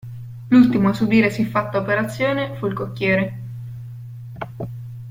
L'ultimo a subire siffatta operazione fu il cocchiere.